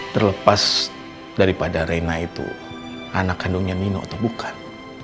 terlepas daripada reina itu anak kandungnya nino atau bukan